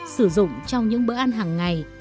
sử dụng trong những bữa ăn hàng ngày